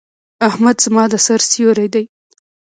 احمد زما د سر سيور دی.